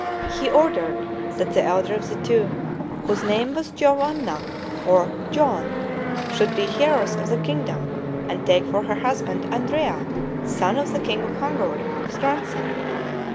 He ordered that the elder of the two, whose name was Giovanna or Joan, should be heiress of the kingdom, and take for her husband Andrea, son of the king of Hungary, his grandson.